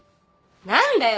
何だよ？